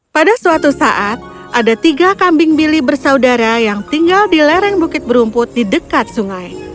pada suatu saat ada tiga kambing bili bersaudara yang tinggal di lereng bukit berumput di dekat sungai